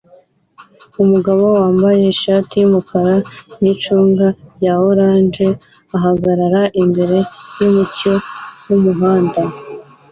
Umugabo wambaye ishati yumukara nicunga rya orange ahagarara imbere yumucyo wumuhanda